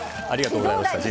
ありがとうございます。